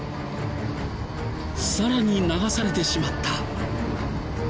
さらに流されてしまった！